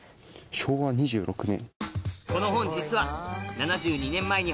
昭和２６年。